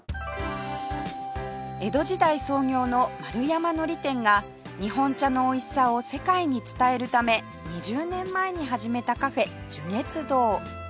江戸時代創業の丸山海苔店が日本茶のおいしさを世界に伝えるため２０年前に始めたカフェ寿月堂